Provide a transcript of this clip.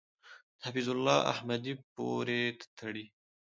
د حفیظ الله احمدی پورې تړي .